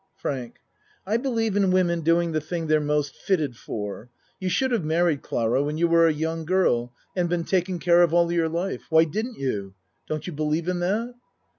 FRANK I believe in women doing the thing they're most fitted for. You should have married, Clara, when you were a young girl and been tak en care of all your life. Why didn't you? Don't you believe in that?